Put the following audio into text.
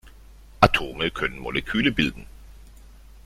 Atome können Moleküle bilden.